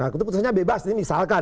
nah itu putusannya bebas nih misalkan